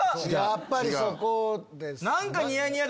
やっぱりそこですね。